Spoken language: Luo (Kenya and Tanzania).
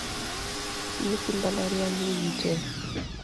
Nyithi mbalariany wigi tek